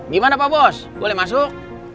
gimana pak bos boleh masuk